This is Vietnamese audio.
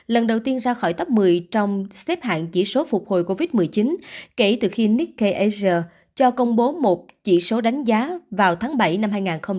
lần đầu tiên ra khỏi top một mươi trong xếp hạng chỉ số phục hồi covid một mươi chín kể từ khi nikkei asia cho công bố một chỉ số đánh giá vào tháng bảy năm hai nghìn hai mươi